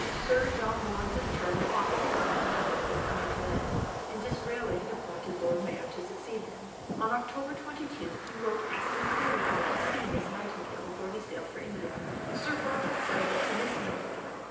Sir John Lawrence's term of office of Governor General was coming to an end, and Disraeli had appointed Lord Mayo to succeed him. On October 22 he wrote asking to be allowed to see Miss Nightingale before he sailed for India: (_Sir Bartle Frere to Miss Nightingale.